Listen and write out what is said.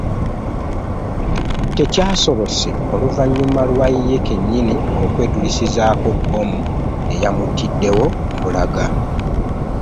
Tekyasobose oluvannyuma lwa ye kennyini okwetulisizaako bbomu eyamuttiddewo mbulaga